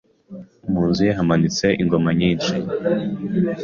mu nzu ye hamanitse ingoma nyinshi